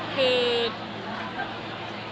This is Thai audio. คือ